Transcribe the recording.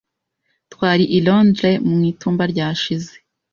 Twari i Londres mu itumba ryashize.